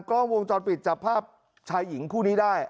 กล้องวงจรปิดจับภาพชายหญิงคู่นี้ได้